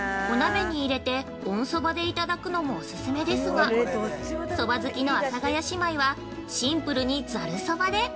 お鍋に入れて、温そばでいただくのもおすすめですが、そば好きの阿佐ヶ谷姉妹は、シンプルに「ざるそば」で。